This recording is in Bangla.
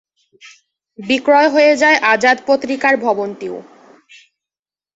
বিক্রয় হয়ে যায় আজাদ পত্রিকার ভবনটিও।